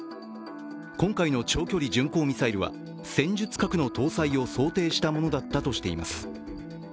今回の長距離巡航ミサイルは戦術核の搭載を想定したものだったとしています。